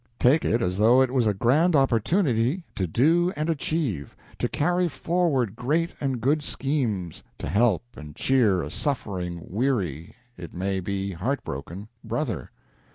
Take it as though it was a grand opportunity to do and achieve, to carry forward great and good schemes to help and cheer a suffering, weary, it may be heartbroken, brother.